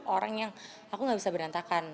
orang yang aku gak bisa berantakan